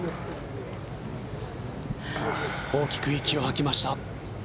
大きく息を吐きました。